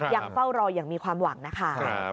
ยังเฝ้ารออย่างมีความหวังนะคะ